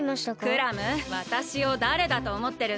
クラムわたしをだれだとおもってるんだ？